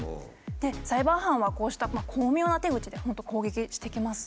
サイバー犯はこうした巧妙な手口で本当攻撃してきます。